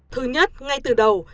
thứ nhất ngay từ đầu